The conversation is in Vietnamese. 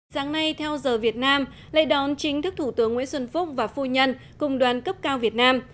sáng nay theo giờ việt nam lễ đón chính thức thủ tướng nguyễn xuân phúc và phu nhân cùng đoàn cấp cao việt nam